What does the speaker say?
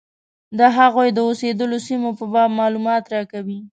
د هغوی د اوسېدلو سیمې په باب معلومات راکوي.